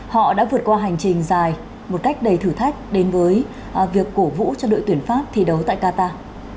họ đã vượt qua hành trình dài một cách đầy thử thách đến với việc cổ vũ cho đội tuyển pháp thi đấu tại qatar